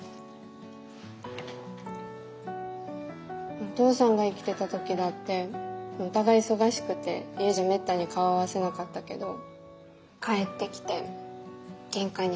お父さんが生きてた時だってお互い忙しくて家じゃめったに顔合わせなかったけど帰ってきて玄関に入るとね